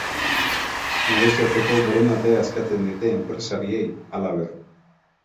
Negoziatzeko borondatea eskatzen diete enpresariei, halaber.